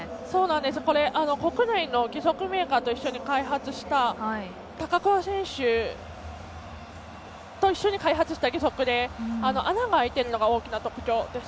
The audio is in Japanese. これ、国内の義足メーカーと一緒に開発した高桑選手と一緒に開発した義足で穴が開いてるのが大きな特徴です。